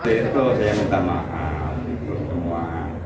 untuk itu saya minta maaf untuk semua